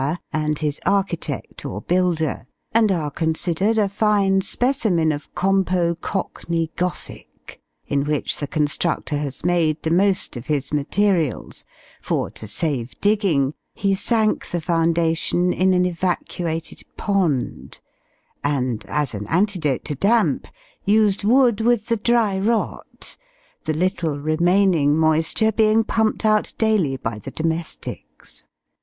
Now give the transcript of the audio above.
and his architect (or builder), and are considered a fine specimen of compo cockney gothic, in which the constructor has made the most of his materials; for, to save digging, he sank the foundation in an evacuated pond, and, as an antidote to damp, used wood with the dry rot the little remaining moisture being pumped out daily by the domestics.